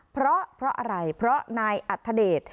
เพราะอะไรเพราะนายอัธเดช